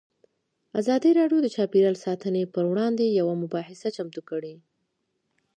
ازادي راډیو د چاپیریال ساتنه پر وړاندې یوه مباحثه چمتو کړې.